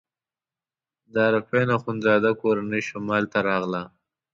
د عارفین اخندزاده کورنۍ شمال ته راغله.